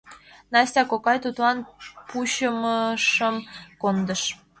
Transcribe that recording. Настя кокай тудлан пучымышым кондыш.